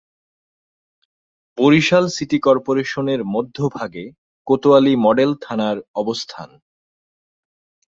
Barishal city কর্পোরেশনের মধ্যভাগে Kotwali model থানার অবস্থান।